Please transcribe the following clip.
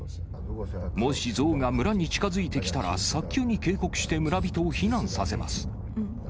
もしゾウが村に近づいてきたら早急に警告して、村人を避難させます。